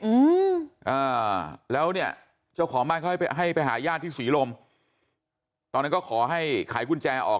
อืมอ่าแล้วเนี่ยเจ้าของบ้านก็ให้ไปหายาดที่สวีรมตอนนั้นก็ขอให้ขายกุญแจออก